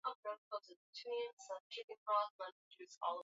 na visa vya kulipiza kisasi katika eneo la joe